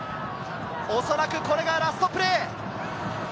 おそらくこれがラストプレー。